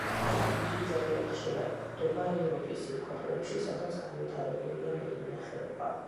იგი ძალიან ხშირად გვხვდება ევროპის იმ ქვეყნებში, სადაც განვითარებულია მევენახეობა.